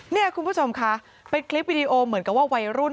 เนี่ยคุณผู้ชมค่ะเป็นคลิปวิดีโอเหมือนกับว่าวัยรุ่น